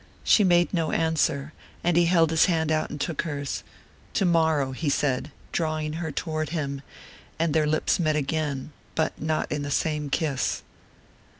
She made no answer, and he held his hand out and took hers. "Tomorrow," he said, drawing her toward him; and their lips met again, but not in the same kiss.